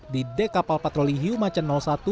di dek kapal patroli hiu macan satu